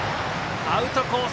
アウトコース